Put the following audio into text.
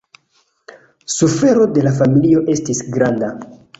Sufero de la familio estis granda.